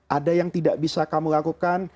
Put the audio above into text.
ada yang tidak bisa kamu lakukan